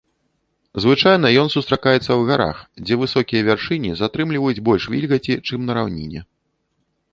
Звычайна ён сустракаецца ў гарах, дзе высокія вяршыні затрымліваюць больш вільгаці, чым на раўніне.